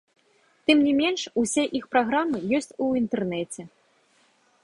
Тым не менш усе іх праграмы ёсць у інтэрнэце.